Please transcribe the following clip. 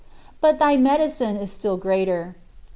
But thy medicine is still greater.